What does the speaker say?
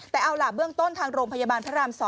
แต่เอาล่ะเบื้องต้นทางโรงพยาบาลพระราม๒